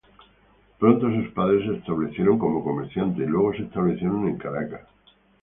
Pronto sus padres se establecieron como comerciantes y luego se establecieron en Caracas.